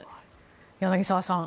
柳澤さん